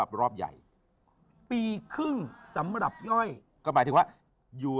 โหลดแล้วคุณราคาโหลดแล้วยัง